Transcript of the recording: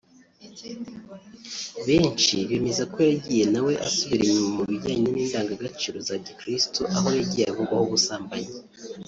benshi bemeza ko yagiye na we asubira inyuma mu bijyanye n’indangagaciro za gikristu aho yagiye avugwaho ubusambanyi